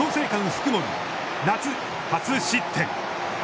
福盛、夏初失点。